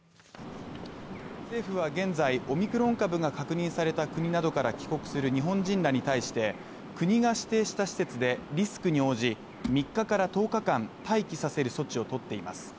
政府は現在、オミクロン株が確認された国などから帰国する日本人らに対して、国が指定した施設でリスクに応じ３日から１０日間、待機させる措置をとっています。